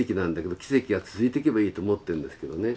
奇跡が続いていけばいいと思ってるんですけどね。